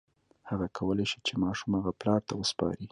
هغه کولی شي چې ماشوم هغه پلار ته وسپاري.